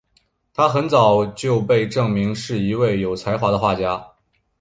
她很早就被证明是一位有才华的画家。